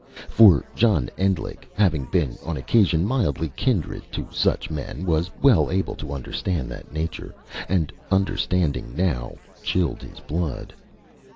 For John Endlich, having been, on occasion, mildly kindred to such men, was well able to understand that nature. And understanding, now, chilled his blood.